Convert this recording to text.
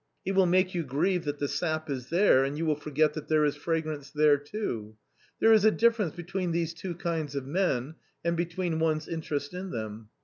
He will make you grieve that the sap is there and you will forget that there is fragrance there too. There is a difference between these two kinds of men and between one's interest in them.